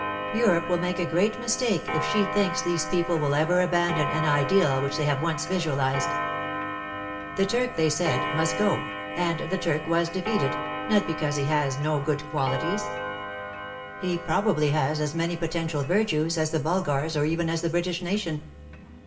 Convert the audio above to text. Europe will make a great mistake if she thinks these people will ever abandon an Ideal which they have once visualized. The Turk, they said, must go, and the Turk was defeated, not be cause he has no good qualities, — he probably has as many potential virtues as the Bulgars or even as the British nation.